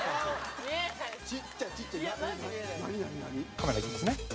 カメラいきますね。